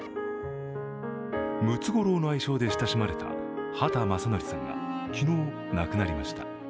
ムツゴロウの愛称で親しまれた畑正憲さんが昨日、亡くなりました。